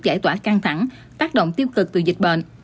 giải tỏa căng thẳng tác động tiêu cực từ dịch bệnh